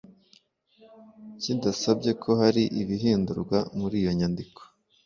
kidasabye ko hari ibihindurwa muri iyo nyandiko